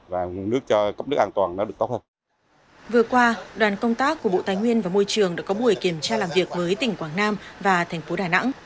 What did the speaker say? vừa qua đoàn công tác của bộ tài nguyên và môi trường đã có buổi kiểm tra làm việc với tỉnh quảng nam và thành phố đà nẵng